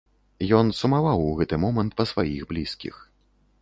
Ён сумаваў у гэты момант па сваіх блізкіх.